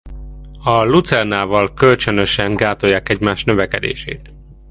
A lucernával kölcsönösen gátolják egymás növekedését.